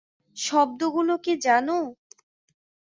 শব্দগুলো কী জানো?